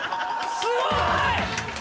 すごい！